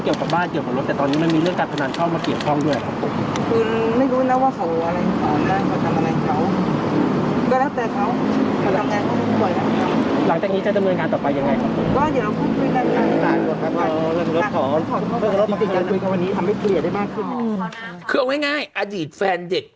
คือเอาง่ายอดีตแฟนเด็ก